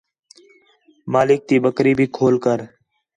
مالک تی بکری بھی کھول کر